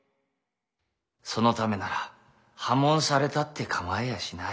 そのためなら破門されたって構いやしない。